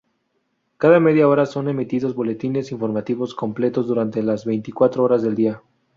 Cada media hora son emitidos boletines informativos completos durante las veinticuatro horas del día.